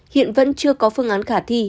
hiện vẫn chưa có phương án khả thi